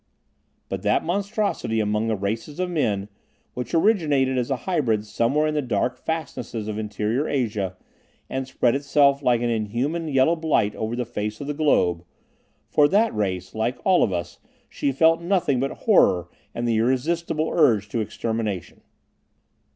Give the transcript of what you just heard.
But that monstrosity among the races of men which originated as a hybrid somewhere in the dark fastnesses of interior Asia, and spread itself like an inhuman yellow blight over the face of the globe for that race, like all of us, she felt nothing but horror and the irresistible urge to extermination.